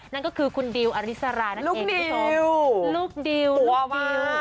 นั่นก็คือคุณดิวอริสรานักเอกที่สองลูกดิวตัวว้าง